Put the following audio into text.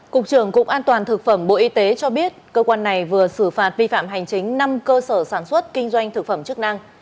cục trưởng cục an toàn thực phẩm bộ y tế cho biết cơ quan này vừa xử phạt vi phạm hành chính năm cơ sở sản xuất kinh doanh thực phẩm chức năng